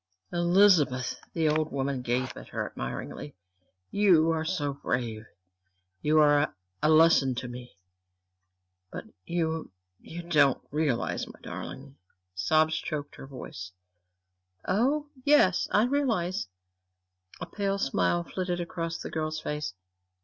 "Elizabeth!" The older woman gazed up at her admiringly. "You are so brave you are a lesson to me! But you you don't realize, my darling " sobs choked her voice. "Oh, yes I realize." A pale smile flitted across the girl's face.